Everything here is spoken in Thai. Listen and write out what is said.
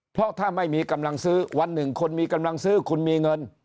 เพราะถ้าไม่มีกำลังซื้อวันหนึ่งคนมีกำลังซื้อคุณมีเงิน